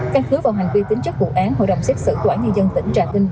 các hứa vào hành vi tính chất vụ án hội đồng xét xử quả nhân dân tỉnh trà vinh